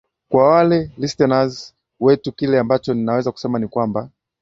kwa wale listeners wetu kile ambacho ninaweza kusema ni kwamba